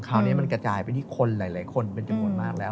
คราวนี้มันกระจายไปที่คนหลายคนเป็นจำนวนมากแล้ว